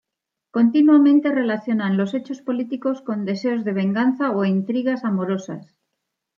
Continuamente relacionan los hechos políticos con deseos de venganza o intrigas amorosas.